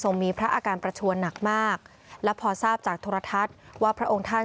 มีพระอาการประชวนหนักมากและพอทราบจากโทรทัศน์ว่าพระองค์ท่าน